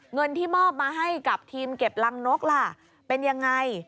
เงินที่มอบมาให้กับทีมเก็บรังนกล่ะเป็นยังไง